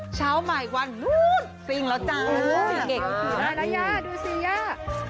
เช้าใหม่วันนู้นสิ่งแล้วจ้าโอ้โฮเก่งได้แล้วย่าดูสิย่า